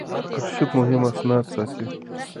آرشیف مهم اسناد ساتي.